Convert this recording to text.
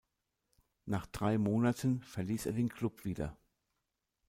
Nach drei Monaten verließ er den Klub wieder.